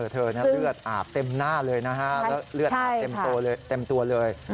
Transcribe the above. เลือดอาบเต็มหน้าเลยนะฮะแล้วเลือดอาบเต็มตัวเลย